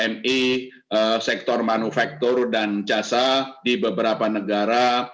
manager indeks atau pmi sektor manufaktur dan jasa di beberapa negara